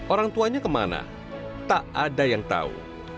orang tuanya kemana tak ada yang tahu